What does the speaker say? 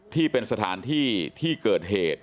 ที่เป็นสถานที่ที่เกิดเหตุ